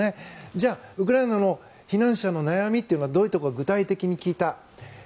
じゃあ、ウクライナの避難者の悩みというのはどういったことか具体的に聞いた。